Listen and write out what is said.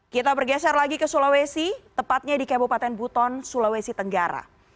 kita bergeser lagi ke sulawesi tepatnya di kabupaten buton sulawesi tenggara